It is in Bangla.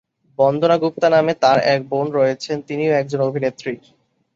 বন্দনা গুপ্তা নামে তার এক বোন রয়েছেন, তিনিও একজন অভিনেত্রী।